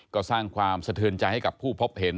ก็สร้างความสะเทือนใจให้กับผู้พบเห็น